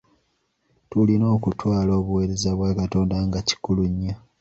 Tuyina okutwala obuweereza bwa Katonda nga kikulu nnyo.